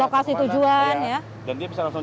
lokasi tujuan dan dia bisa langsung